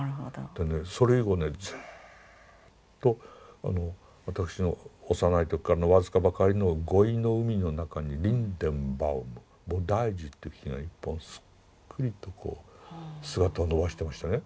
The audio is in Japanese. でねそれ以後ねずっと私の幼い時からの僅かばかりの語彙の海の中にリンデンバウム菩提樹っていう木が一本すっくりとこう姿を伸ばしてましてね。